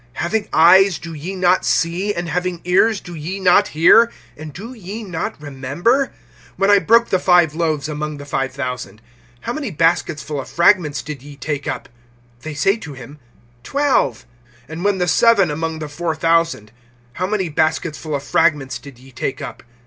(18)Having eyes, do ye not see? And having ears, do ye not hear? And do ye not remember? (19)When I broke the five loaves among the five thousand, how many baskets full of fragments did ye take up? They say to him: Twelve. (20)And when the seven among the four thousand, how many baskets full of fragments did ye take up?